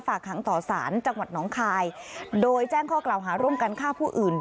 หางต่อสารจังหวัดหนองคายโดยแจ้งข้อกล่าวหาร่วมกันฆ่าผู้อื่น